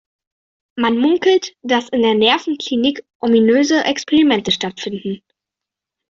Man munkelt, dass in der Nervenklinik ominöse Experimente stattfinden.